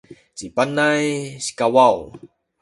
ci Panay sikawaw